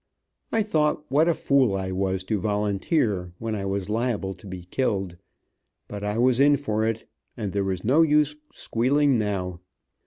I thought what a fool I was to volunteer, when I was liable to be killed, but I was in for it, and there was no use squealing now.